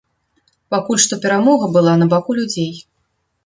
Пакуль што перамога была на баку людзей.